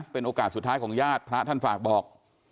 เป็นโอกาสสุดท้ายของญาติพระท่านฝากบอก